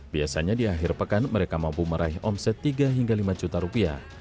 biasanya di akhir pekan mereka mampu meraih omset tiga hingga lima juta rupiah